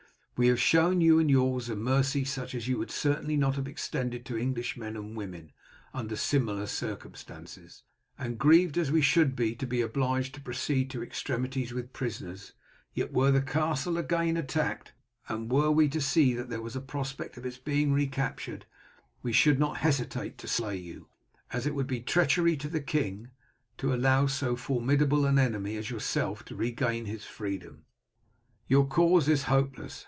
We have shown you and yours a mercy such as you would certainly not have extended to English men and women under similar circumstances, and grieved as we should be to be obliged to proceed to extremities with prisoners, yet were the castle again attacked, and were we to see that there was a prospect of its being recaptured, we should not hesitate to slay you, as it would be treachery to the king to allow so formidable an enemy as yourself to regain his freedom. "Your cause is hopeless.